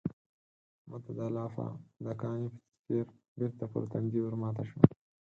احمد ته دا لاپه د کاني په څېر بېرته پر تندي ورماته شوه.